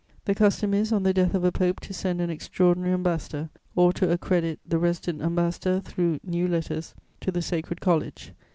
The custom is, on the death of a Pope, to send an extraordinary ambassador, or to accredit the resident ambassador through new letters to the Sacred College.